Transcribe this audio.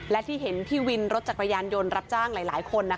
และที่เห็นที่วินรถจักรยานยนต์รับจ้างหลายคน